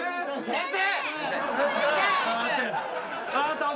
先生。